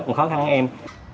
cũng khó khăn hơn em